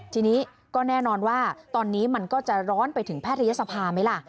ทีนี้ก็แน่นอนว่าตอนนี้มันก็จะร้อนไปถึงแพทยศภาไหมล่ะ